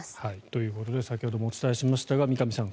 ということで先ほどもお伝えしましたが三上さん